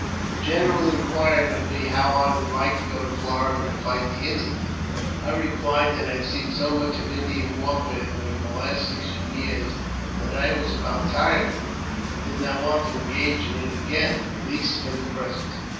The general inquired of me how I would like to go to Florida to fight the Indians. I replied that I had seen so much of Indian warfare during the last sixteen years that I w^as about tired of it, and did not want to engage in it again, at least for the present.